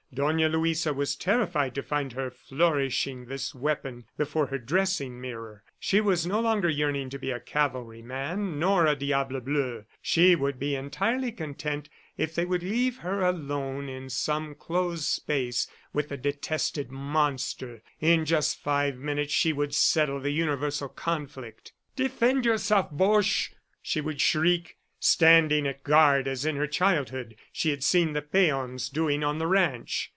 Dona Luisa was terrified to find her flourishing this weapon before her dressing mirror. She was no longer yearning to be a cavalryman nor a diable bleu. She would be entirely content if they would leave her, alone in some closed space with the detested monster. In just five minutes she would settle the universal conflict. "Defend yourself, Boche," she would shriek, standing at guard as in her childhood she had seen the peons doing on the ranch.